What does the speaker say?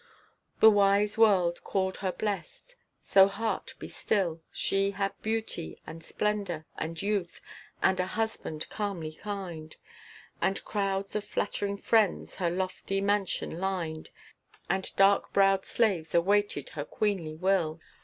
The wise world called her blest, so heart be still, She had beauty, and splendor, and youth, and a husband calmly kind, And crowds of flattering friends her lofty mansion lined, And dark browed slaves awaited her queenly will.